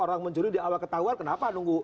orang mencuri di awal ketahuan kenapa nunggu